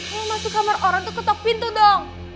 kalau mau masuk kamar orang tuh ketok pintu dong